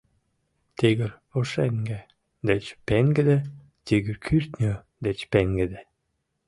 Тигр пушеҥге деч пеҥгыде, тигр кӱртньӧ деч пеҥгыде